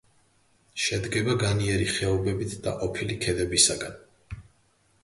შედგება განიერი ხეობებით დაყოფილი ქედებისაგან.